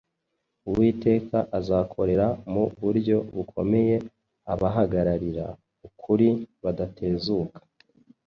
Uwiteka azakorera mu buryo bukomeye abahagararira ukuri badatezuka.